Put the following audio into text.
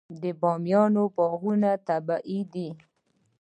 د بامیان باغونه طبیعي دي.